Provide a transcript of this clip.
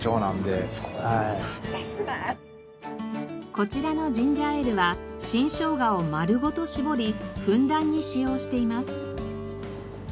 こちらのジンジャーエールは新しょうがを丸ごと搾りふんだんに使用しています。